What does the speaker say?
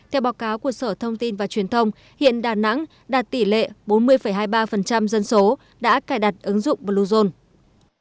theo báo cáo của sở thông tin và truyền thông hiện đà nẵng đạt tỷ lệ bốn mươi hai mươi ba dân số đã cài đặt ứng dụng bluezone